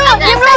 eh diam dulu